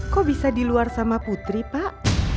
kok bisa diluar sama putri pak